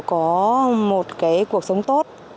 có một cuộc sống tốt